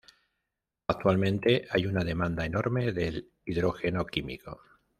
Actualmente, hay una demanda enorme del hidrógeno químico.